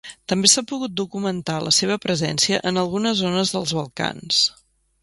També s'ha pogut documentar la seva presència en algunes zones dels Balcans.